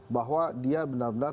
bahwa dia benar benar